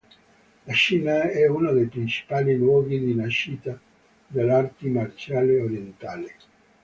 La Cina è uno dei principali luoghi di nascita delle arti marziali orientali.